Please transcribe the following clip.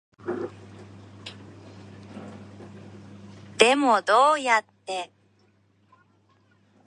でもどうやって